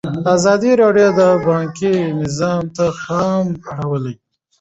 ازادي راډیو د بانکي نظام ته پام اړولی.